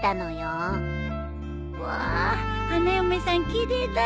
わ花嫁さん奇麗だね。